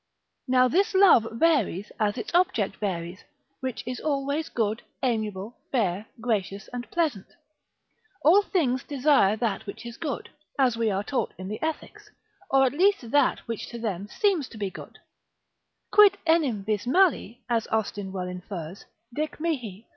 Now this love varies as its object varies, which is always good, amiable, fair, gracious, and pleasant. All things desire that which is good, as we are taught in the Ethics, or at least that which to them seems to be good; quid enim vis mali (as Austin well infers) dic mihi?